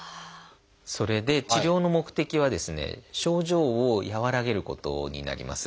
それで治療の目的はですね症状を和らげることになります。